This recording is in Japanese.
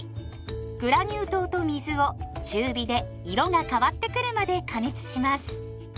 グラニュー糖と水を中火で色が変わってくるまで加熱します。